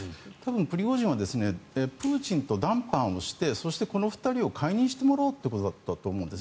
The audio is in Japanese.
多分プリゴジンはプーチンと談判してこの２人を解任してもらおうということだったと思います。